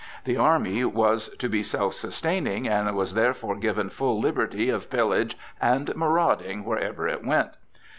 The army was to be self sustaining and was therefore given full liberty of pillage and marauding wherever it went.